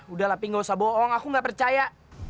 udah lah pi nggak usah bohong aku nggak percaya